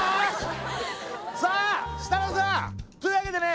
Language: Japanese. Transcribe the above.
さあ設楽さんというわけでね